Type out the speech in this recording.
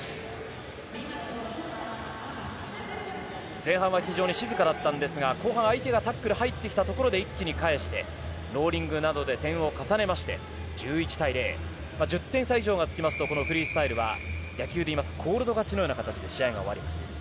前半は非常に静かだったんですが後半相手がタックル入ってきたところで一気に返してローリングなどで点を重ねまして１１対０１０点差以上がつきますとこのフリースタイルは野球でいうコールド勝ちのような形で試合が終わります。